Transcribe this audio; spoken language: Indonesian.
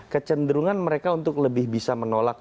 kecenderungan mereka untuk lebih bisa menolak